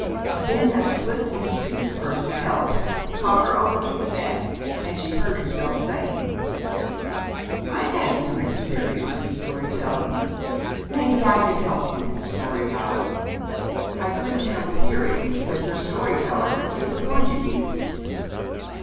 Then that swift instinct of hers to help caught her over to the desk, and she heard herself saying: "I've had some experience in story telling; maybe I could help you with the story hour. I couldn't help hearing that your story teller has disappointed you."